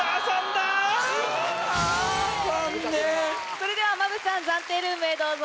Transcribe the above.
それではＭＡＢさん暫定ルームへどうぞ。